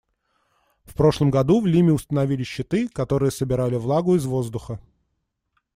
В прошлом году в Лиме установили щиты, которые собирали влагу из воздуха.